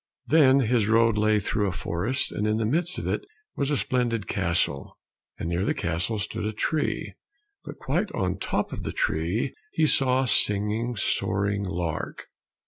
Then his road lay through a forest, and in the midst of it was a splendid castle, and near the castle stood a tree, but quite on the top of the tree, he saw a singing, soaring lark.